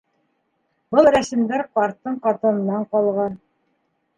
Был рәсемдәр ҡарттың ҡатынынан ҡалған.